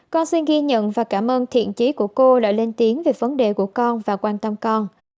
con xin ghi nhận và cảm ơn thiện trí của cô đã lên tiếng về vấn đề của con và quan tâm con